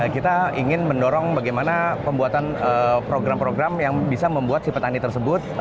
kita ingin mendorong bagaimana pembuatan program program yang bisa membuat si petani tersebut